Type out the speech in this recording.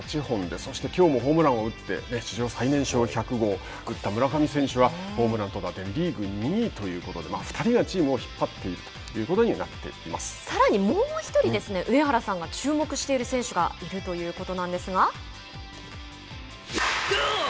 そして、きょうもホームランを打って史上最年少１００号を打った村上選手はホームランと打点リーグ２位ということで２人がチームを引っ張っているさらに、もう１人上原さんが注目している選手がいるということなんですが。